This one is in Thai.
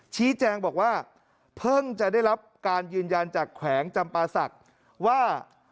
ชี้แจงบอกว่าเพิ่งจะได้รับการยืนยันจากแขวงจำปาศักดิ์ว่า